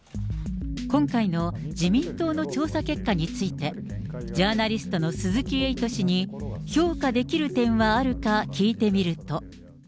今回の自民党の調査結果について、ジャーナリストの鈴木エイト氏に、評価できる点はあるか聞いてみると。